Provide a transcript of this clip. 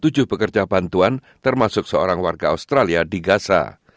tujuh pekerja bantuan termasuk seorang warga australia digasa